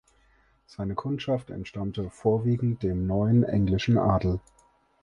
Seine Kundschaft entstammte vorwiegend dem neuen englischen Adel.